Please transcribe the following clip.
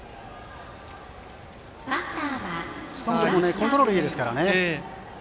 コントロールがいいですからね。